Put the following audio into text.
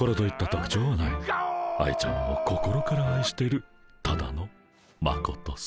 愛ちゃんを心からあいしてるただのマコトさ。